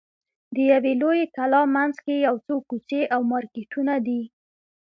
د یوې لویې کلا منځ کې یو څو کوڅې او مارکېټونه دي.